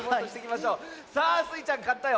さあスイちゃんかったよ。